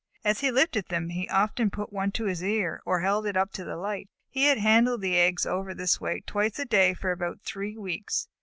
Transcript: As he lifted them, he often put one to his ear, or held it up to the light. He had handled the eggs over in this way twice a day for about three weeks.